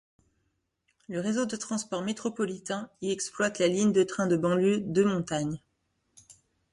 Le Réseau de transport métropolitain y exploite la ligne de train de banlieue Deux-Montagnes.